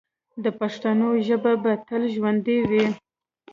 د پښتنو ژبه به تل ژوندی وي.